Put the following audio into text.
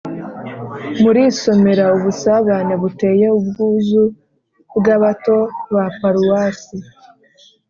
murisomera ubusabane buteye ubwuzu bw’abato ba paruwasi